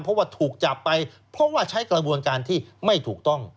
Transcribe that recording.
เพราะว่าถูกจับไปเพราะว่าใช้กระบวนการที่ไม่ถูกต้อง